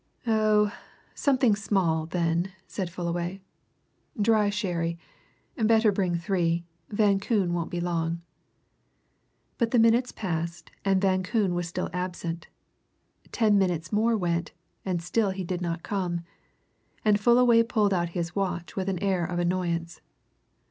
"Oh something small, then," said Fullaway. "Dry sherry. Better bring three Van Koon won't be long." But the minutes passed and Van Koon was still absent. Ten minutes more went, and still he did not come. And Fullaway pulled out his watch with an air of annoyance.